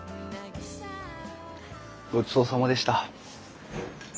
ごちそうさまでした。